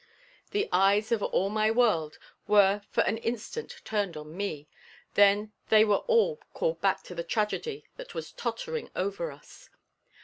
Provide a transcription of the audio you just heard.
The eyes of all my world were for an instant turned on me, then they were all called back to the tragedy that was tottering over us.